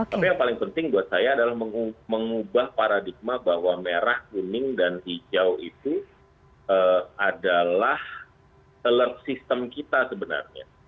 tapi yang paling penting buat saya adalah mengubah paradigma bahwa merah kuning dan hijau itu adalah alert system kita sebenarnya